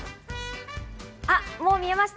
もう見えました。